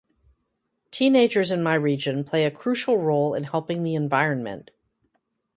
Teenagers in my region play a crucial role in helping the environment.